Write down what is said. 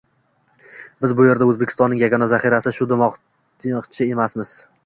Biz bu yerda O‘zbekistonning yagona zaxirasi shu demoqchi emasmiz